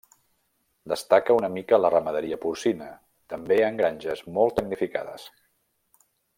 Destaca una mica la ramaderia porcina, també en granges molt tecnificades.